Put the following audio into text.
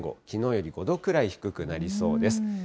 きのうより５度くらい低くなりそうです。